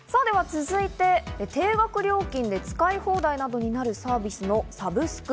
続いて定額料金で使い放題などになるサービスのサブスク。